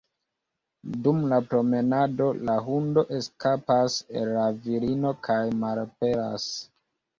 Dum la promenado, la hundo eskapas el la virino kaj malaperas.